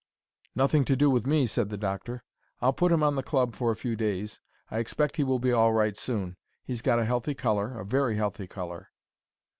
"Nothing to do with me," said the doctor. "I'll put him on the club for a few days; I expect he will be all right soon. He's got a healthy colour—a very healthy colour."